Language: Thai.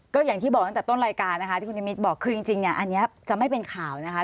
ก็อย่างที่บอกตั้งแต่ต้นรายการนะคะที่คุณนิมิตรบอกคือจริงเนี่ยอันนี้จะไม่เป็นข่าวนะคะ